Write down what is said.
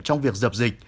trong việc dập dịch